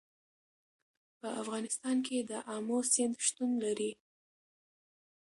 په افغانستان کې د آمو سیند شتون لري.